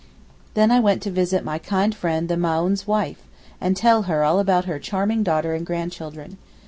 Then I went to visit my kind friend the Maōhn's wife, and tell her all about her charming daughter and grandchildren.